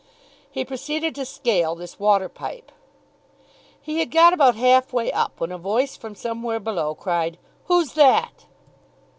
He proceeded to scale this water pipe. He had got about half way up when a voice from somewhere below cried, "Who's that?"